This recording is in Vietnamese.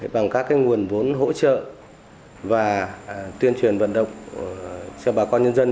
bằng các cái nguồn vốn hỗ trợ và tuyên truyền vận động cho bà con dân dân